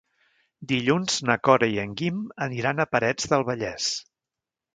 Dilluns na Cora i en Guim aniran a Parets del Vallès.